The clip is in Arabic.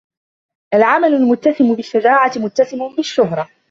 العمل المتسم بالشجاعة متسم بالشهرة.